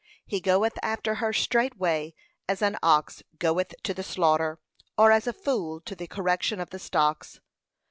He goeth after her straightway, as an ox goeth to the slaughter, or as a fool to the correction of the stocks.'